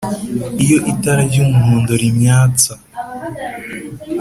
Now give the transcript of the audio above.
Iyo itara ry'umuhondo rimyatsa